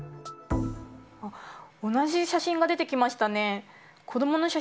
同じ写真が出てきましたね。